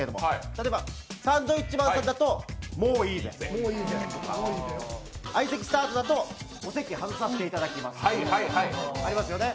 例えばサンドウィッチマンさんだと、もういいぜとか、相席スタートだと席外させてもらいますとかありますよね。